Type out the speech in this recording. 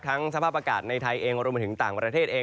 ทั้งสภาพอากาศในไทยเองและรวมถึงต่างประเทศเอง